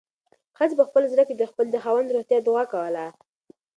ښځې په خپل زړه کې د خپل خاوند د روغتیا دعا کوله.